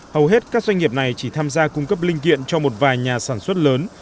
hầu hết các doanh nghiệp này chỉ tham gia cung cấp linh kiện cho một vài nhà sản xuất lớn